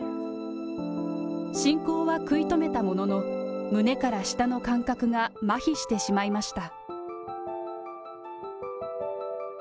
進行は食い止めたものの、胸から下の感覚がまひしてしまいました。